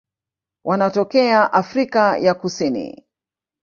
Wanatokea Afrika ya Kusini.